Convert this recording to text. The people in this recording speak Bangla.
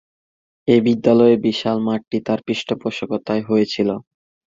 এই বিদ্যালয়ের বিশাল মাঠটি তার পৃষ্ঠপোষকতায় হয়েছিল।